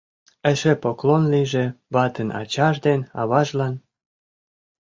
Эше поклон лийже ватын ачаж ден аважлан.